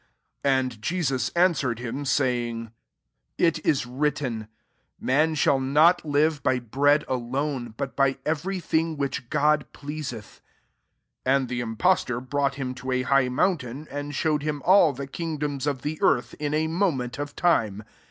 4 And Jesus answered him, saying, " It is written, ' Man shall not live by bread alone, but by every thing which God pleaseth.' ''| 5 And [Mr imfioe* tor\ brought him to a high mountain, and showed him all the kingdoms of the earth, in a moment of time.